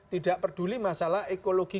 tidak peduli masalah ekologi